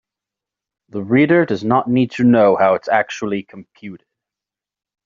The reader does not need to know how it is actually computed.